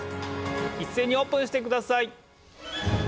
いっせいにオープンしてください！